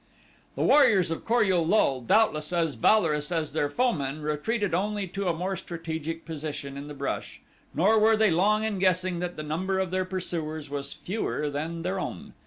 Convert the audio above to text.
The warriors of Kor ul lul, doubtless as valorous as their foemen, retreated only to a more strategic position in the brush, nor were they long in guessing that the number of their pursuers was fewer than their own.